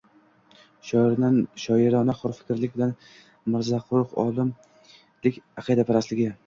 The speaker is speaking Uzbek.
Shoirona hurfikrlik bilan mirzaquruq olimlik aqidaparastligi.